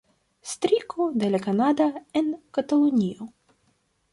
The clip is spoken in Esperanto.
Striko de La Kanada en Katalunio.